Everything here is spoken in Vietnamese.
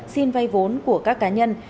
xin vay vốn của các cá nhân